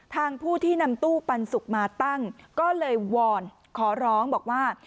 ผู้ที่นำตู้ปันสุกมาตั้งก็เลยวอนขอร้องบอกว่า